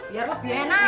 biar lebih enak